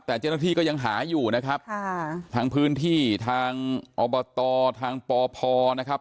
แต่เจ้าหน้าที่ก็ยังหาอยู่นะครับค่ะทางพื้นที่ทางอบตทางปพนะครับ